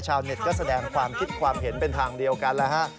ชาวเน็ตก็แสดงความคิดความเห็นเป็นทางเดียวกันแล้วฮะ